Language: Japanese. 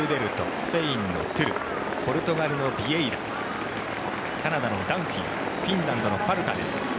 スペインのトゥルポルトガルのビエイラカナダのダンフィーフィンランドのパルタネン。